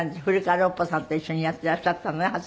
古川ロッパさんと一緒にやっていらっしゃったね